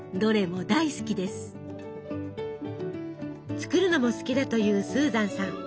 作るのも好きだというスーザンさん。